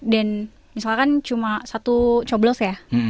dan misalkan cuma satu coblos ya